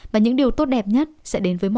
và những điều tốt đẹp nhất sẽ đến với anh